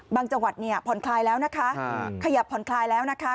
จังหวัดเนี่ยผ่อนคลายแล้วนะคะขยับผ่อนคลายแล้วนะคะ